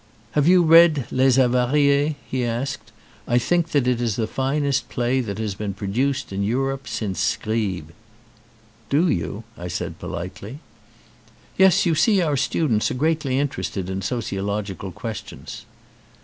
"Have you read Les Avaries?" he asked. "I think that is the finest play that has been pro duced in Europe since Scribe." "Do you?" I said politely. "Yes, you see our students are greatly inter ested in sociological questions."